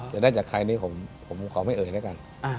ได้จากใครนี่ผมขอไม่เอ่ยแล้วกัน